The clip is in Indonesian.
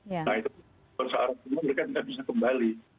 nah itu seorang pemerintah mereka tidak bisa kembali